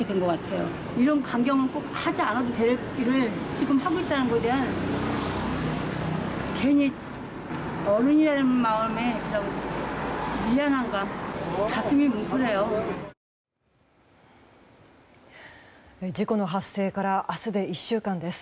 事故の発生から明日で１週間です。